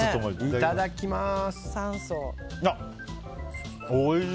いただきます。